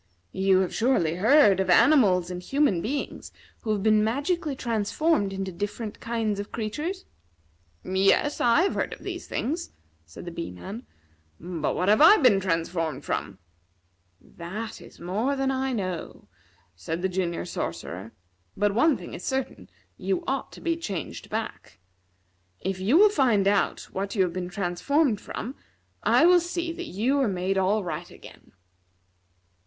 "You have surely heard of animals and human beings who have been magically transformed into different kinds of creatures?" "Yes, I have heard of these things," said the Bee man; "but what have I been transformed from?" "That is more than I know," said the Junior Sorcerer. "But one thing is certain you ought to be changed back. If you will find out what you have been transformed from, I will see that you are made all right again.